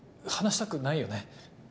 話したくないよね。